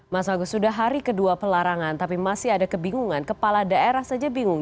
mas agus sudah hari kedua pelarangan tapi masih ada kebingungan kepala daerah saja bingung